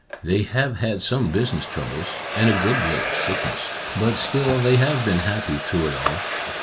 cc They have had some business troubles, and a good deal of sickness, but still they have been happy through it all.